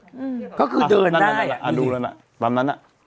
อืมก็คือเดินได้อ่ะอ่าดูแล้วน่ะตอนนั้นอ่ะ